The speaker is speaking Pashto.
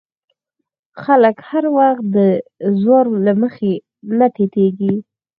خلک هر وخت د زور مخې ته ټیټېږي.